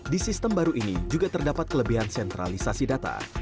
di sistem baru ini juga terdapat kelebihan sentralisasi data